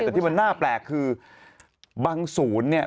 แต่ที่มันน่าแปลกคือบางศูนย์เนี่ย